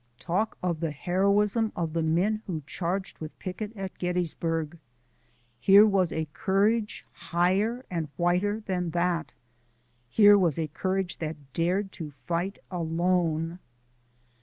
Talk of the heroism of the men who charged with Pickett at Gettysburg! Here was a courage higher and whiter than that; here was a courage that dared to fight alone.